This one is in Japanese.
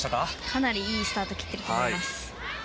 かなりいいスタートを切っていると思います。